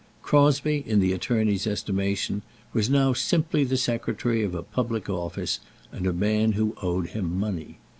Crosbie, in the attorney's estimation, was now simply the secretary of a public office, a man who owed him money.